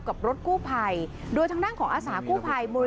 กับรถกู้ไพรโดยทางด้านของอาสาคู้ไพร